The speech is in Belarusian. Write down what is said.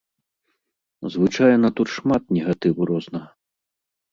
Звычайна тут шмат негатыву рознага.